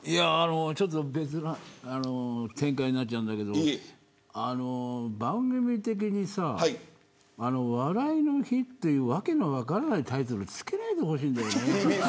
ちょっと別な展開になっちゃうんだけど番組的にさお笑いの日という訳の分からないタイトル付けないでほしいんだよね。